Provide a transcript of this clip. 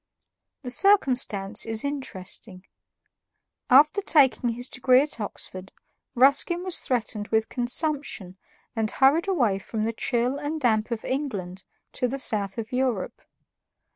The circumstance is interesting. After taking his degree at Oxford, Ruskin was threatened with consumption and hurried away from the chill and damp of England to the south of Europe.